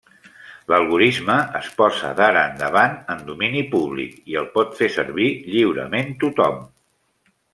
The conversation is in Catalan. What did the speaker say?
L'algorisme es posa d'ara endavant en domini públic, i el pot fer servir lliurement tothom.